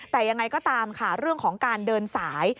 แต่ยังไงก็ตามค่ะเรื่องของการเดินสาย